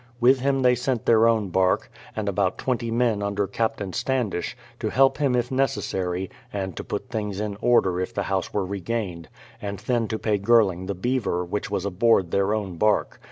With him they sent their own bark, and about twenty men under Captain Standish, to help him if necessary, and to put things in order if the house were regained; and then to pay Girling the beaver, which was aboard their own bark.